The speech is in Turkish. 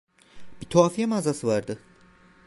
Bir tuhafiye mağazası vardı.